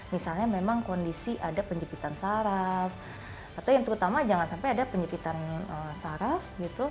misalnya memang kondisi ada penjepitan saraf atau yang terutama jangan sampai ada penyepitan saraf gitu